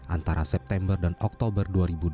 antara september dan oktober dua ribu dua puluh